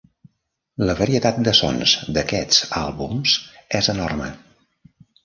La varietat de sons d'aquests àlbums és enorme.